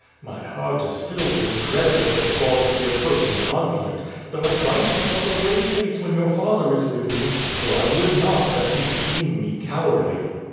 My heart is filled with dread at the thought of the approaching conflict, though I try to keep up a brave face when your father is with me, for I would not that he should deem me cowardly."